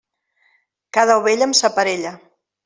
Cada ovella amb sa parella.